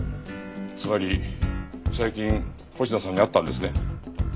つまり最近星名さんに会ったんですね？